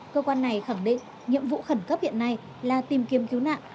cơ quan này khẳng định nhiệm vụ khẩn cấp hiện nay là tìm kiếm cứu nạn